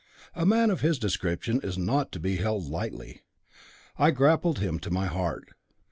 A man of this description is not to be held by lightly. I grappled him to my heart.